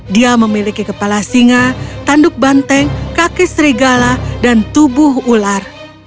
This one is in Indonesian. dia memiliki kepala singa tanduk banteng kaki serigala dan tubuh ular